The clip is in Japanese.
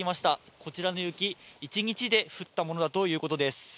こちらの雪、１日で降ったものということです。